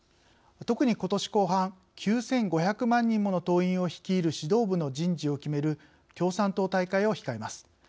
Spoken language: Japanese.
特にことし後半９５００万人もの党員を率いる指導部の人事を決める共産党大会を控えます。